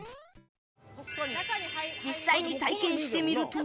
実際に体験してみると